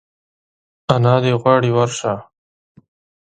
انا دي غواړي ورشه !